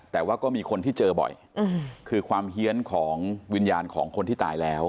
แต่ว่าก็มีคนที่เจอบ่อยคือความเฮียนของวิญญาณของคนที่ตายแล้ว